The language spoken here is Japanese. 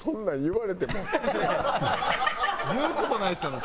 言う事ないですよね